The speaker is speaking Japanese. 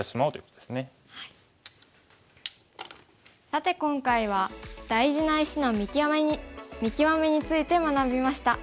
さて今回は大事な石の見極めについて学びました。